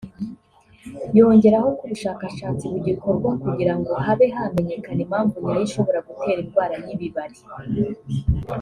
yongeraho ko ubushakashatsi bugikorwa kugira ngo habe hamenyekana impamvu nyayo ishobora gutera indwara y’ibibari